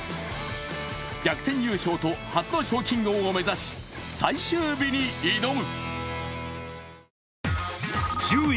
逆転優勝と初の賞金王を目指し最終日に挑む。